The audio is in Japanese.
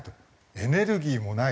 エネルギーもない。